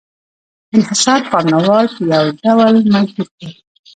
انحصار پانګوال په یو ډول مجبور کړل